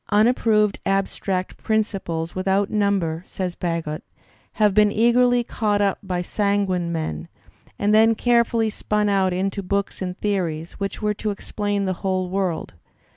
"Unproved abstract principles without number," says Bagehot, "have been eagerly caught up by sanguine men, and then carefully spun out into books and theories, which were to explain the whole world.